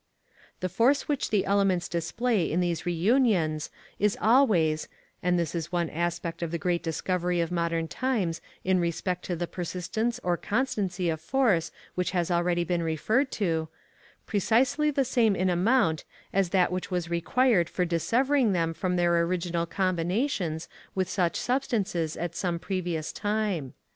The force which the elements display in these reunions is always and this is one aspect of the great discovery of modern times in respect to the persistence or constancy of force which has already been referred to precisely the same in amount as that which was required for dissevering them from their original combinations with such substances at some previous time.